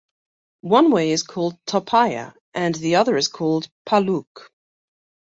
One way is called "toppaya" and the other is called "palook.